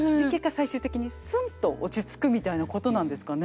最終的にスンと落ち着くみたいなことなんですかね。